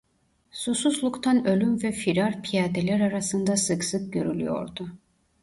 Susuzluktan ölüm ve firar piyadeler arasında sık sık görülüyordu.